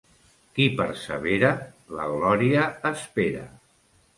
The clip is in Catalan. Qui persevera, la glòria espera.